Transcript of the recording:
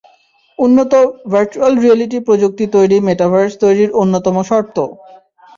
উন্নত virtual reality প্রযুক্তি তৈরি মেটাভার্স তৈরির অন্যতম শর্ত।